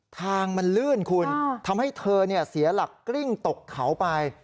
ทางมันลื่นคุณทำให้เธอเสียหลักกริ้งตกเขาไป